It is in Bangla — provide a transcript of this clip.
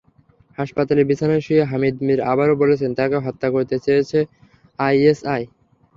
হাসপাতালের বিছানায় শুয়ে হামিদ মির আবারও বলেছেন, তাঁকে হত্যা করতে চেয়েছে আইএসআই।